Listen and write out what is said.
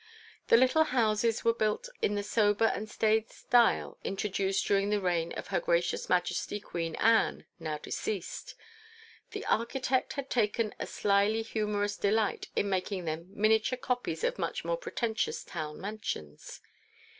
The little houses were built in the sober and staid style introduced during the reign of Her Gracious Majesty Queen Anne (now deceased). The architect had taken a slily humorous delight in making them miniature copies of much more pretentious town mansions.